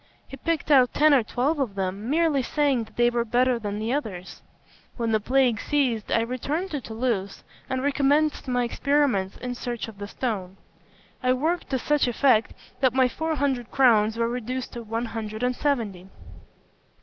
He picked out ten or twelve of them, merely saying that they were better than the others. When the plague ceased, I returned to Toulouse, and recommenced my experiments in search of the stone. I worked to such effect that my four hundred crowns were reduced to one hundred and seventy.